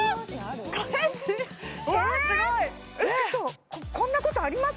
すごいこんなことあります？